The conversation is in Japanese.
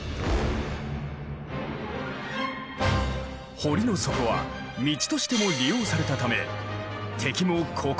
堀の底は道としても利用されたため敵もここを通って攻めてくる。